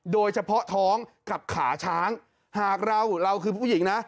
โดยเฉพาะท้องกับขาช้างหากเราเราคือผู้หญิงนะ